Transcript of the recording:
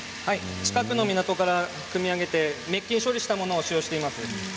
近くの港からくみ上げて滅菌処理したものを使っています